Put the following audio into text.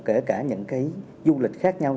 kể cả những cái du lịch khác nhau